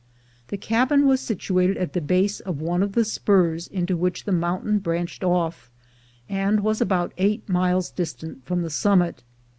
The cabin was situated at the base of one of the spurs into which the moun tain branched off, and was about eight miles distant from the summit.